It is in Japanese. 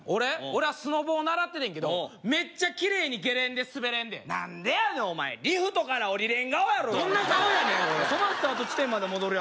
俺はスノボ習っててんけどメッチャキレイにゲレンデ滑れんで何でやねんお前リフトから降りれん顔やろどんな顔やねんおいそのままスタート地点まで戻るやろ